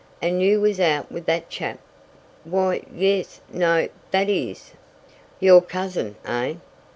And you was out with that chap?" "Why yes, no, that is " "Your cousin, eh?